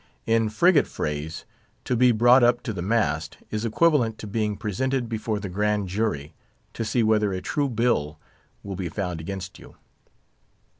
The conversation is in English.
In frigate phrase, to be brought up to the mast, is equivalent to being presented before the grand jury, to see whether a true bill will be found against you.